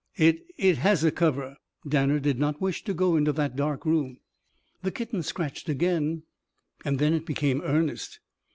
"It it has a cover." Danner did not wish to go into that dark room. The kitten scratched again and then it became earnest.